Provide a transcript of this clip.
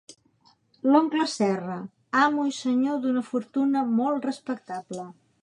L'oncle Serra, amo i senyor d'una fortuna molt respectable.